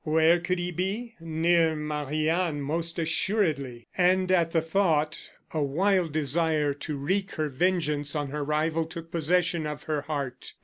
Where could he be? Near Marie Anne most assuredly and at the thought a wild desire to wreak her vengeance on her rival took possession of her heart.